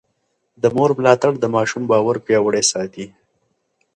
د مور ملاتړ د ماشوم باور پياوړی ساتي.